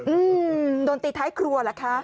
อืมโดนตีท้ายครัวเหรอคะ